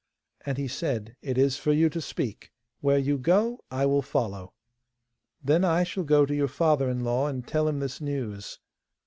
And he said: 'It is for you to speak. Where you go, I will follow.' 'Then I shall go to your father in law and tell him this news.